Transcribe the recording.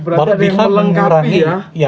oh berarti ada yang melengkapi ya